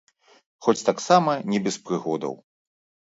Хоць таксама не без прыгодаў.